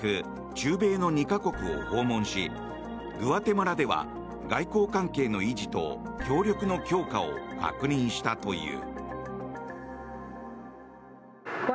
中米の２か国を訪問しグアテマラでは外交関係の維持と協力の強化を確認したという。